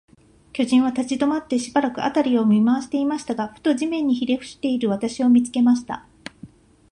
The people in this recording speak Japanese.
巨人は立ちどまって、しばらく、あたりを見まわしていましたが、ふと、地面にひれふしている私を、見つけました。